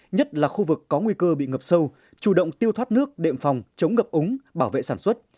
nhất là khu vực có nguy cơ bị ngập sâu chủ động tiêu thoát nước đệm phòng chống ngập úng bảo vệ sản xuất